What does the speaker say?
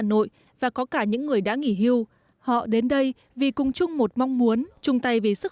nội và có cả những người đã nghỉ hưu họ đến đây vì cùng chung một mong muốn chung tay vì sức